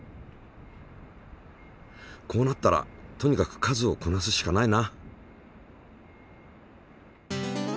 こうなったらとにかく数をこなすしかないな。